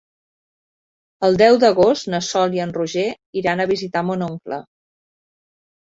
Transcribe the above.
El deu d'agost na Sol i en Roger iran a visitar mon oncle.